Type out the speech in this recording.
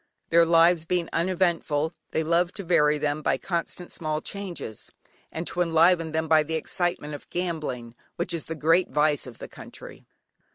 Their lives being uneventful they love to vary them by constant small changes, and to enliven them by the excitement of gambling, which is the great vice of the country.